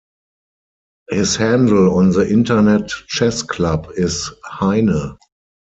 His handle on the Internet Chess Club is "Heine".